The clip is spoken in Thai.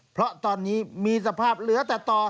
เพราะตอนนี้มีสภาพเหลือแต่ต่อ